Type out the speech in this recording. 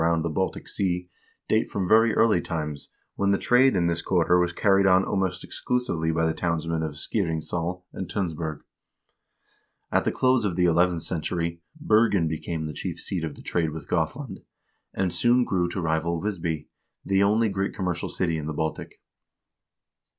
Norway's commercial relations with Gothland and the regions around the Baltic Sea date from very early times, when the trade in this quarter was carried on almost exclusively by the townsmen of Skiringssal and Tunsberg.2 At the close of the eleventh century Bergen became the chief seat of the trade with Gothland, and soon grew to rival Wisby, the only great commercial city in the Baltic.